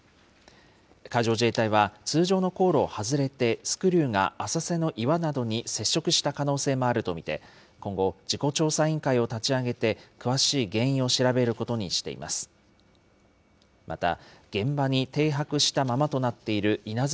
海上自衛隊は、通常の航路を外れて、スクリューが浅瀬の岩などに接触した可能性もあると見て、今後、事故調査委員会を立ち上げて、詳しい原因を調べることにしています。